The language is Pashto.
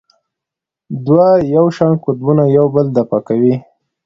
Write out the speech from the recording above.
دوه یو شان قطبونه یو بل دفع کوي.